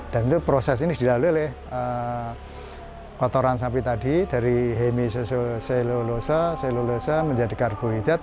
dan itu proses ini dilalui oleh kotoran sapi tadi dari hemisoselulosa menjadi karbohidrat